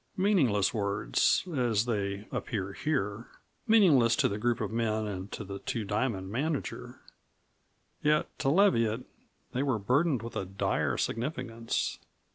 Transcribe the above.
Meaningless words, as they appear here; meaningless to the group of men and to the Two Diamond manager; yet to Leviatt they were burdened with a dire significance.